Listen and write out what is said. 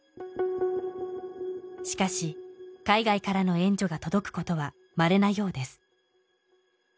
しかし海外からの援助が届くことはまれなようです